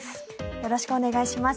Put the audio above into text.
よろしくお願いします。